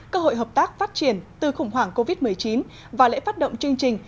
cơ hội hợp tác phát triển từ khủng hoảng covid một mươi chín và lễ phát động chương trình